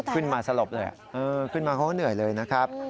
สลบเลยขึ้นมาเขาก็เหนื่อยเลยนะครับ